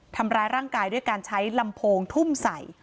ทำร้ายร่างกายด้วยการใช้ลำโพงทุ่มใส่